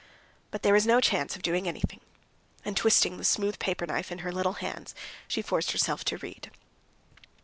But there was no chance of doing anything; and twisting the smooth paper knife in her little hands, she forced herself to read.